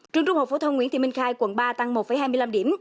trường trung học phổ thông nguyễn thị minh khai quận ba tăng một hai mươi năm điểm